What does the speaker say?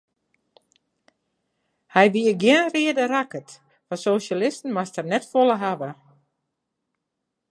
Hy wie gjin reade rakkert, fan sosjalisten moast er net folle hawwe.